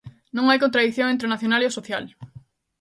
Non hai contradición entre o nacional e o social.